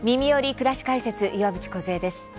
くらし解説」岩渕梢です。